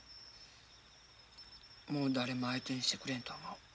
もう誰も相手にしてくれんと思う。